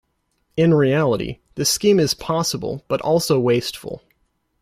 In reality this scheme is possible, but also wasteful.